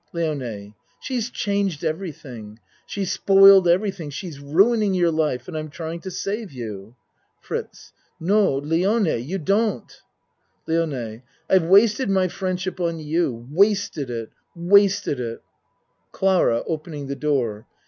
LIONE She's changed everything. She's spoiled everything. She's ruining your life and I'm try ing to save you. FRITZ No Lione you don't LIONE I've wasted my friendship on you wasted it wasted it ! CLARA (Opening the door.)